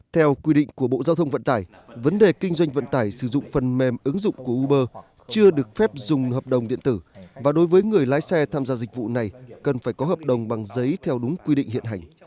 theo quy định của bộ giao thông vận tải vấn đề kinh doanh vận tải sử dụng phần mềm ứng dụng của uber chưa được phép dùng hợp đồng điện tử và đối với người lái xe tham gia dịch vụ này cần phải có hợp đồng bằng giấy theo đúng quy định hiện hành